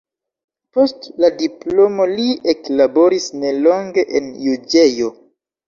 Post la diplomo li eklaboris nelonge en juĝejo.